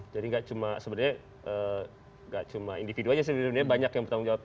jadi nggak cuma sebenarnya nggak cuma individu aja sih di dunia banyak yang bertanggung jawab